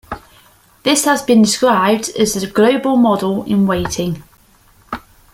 This has been described as a "global model in waiting".